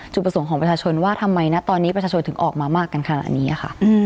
ประสงค์ของประชาชนว่าทำไมนะตอนนี้ประชาชนถึงออกมามากกันขนาดนี้ค่ะ